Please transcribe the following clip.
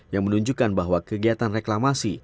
yang menunjukkan bahwa kegiatan reklamasi